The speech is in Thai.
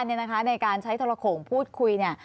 ในการใช้ธรโขงพูดคุย